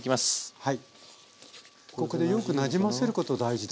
はい。